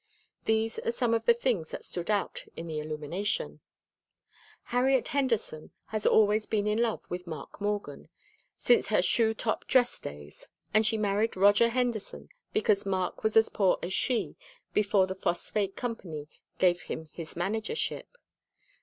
These are some of the things that stood out in the illumination: Harriet Henderson has always been in love with Mark Morgan, since her shoe top dress days, and she married Roger Henderson because Mark was as poor as she before the Phosphate Company gave him his managership.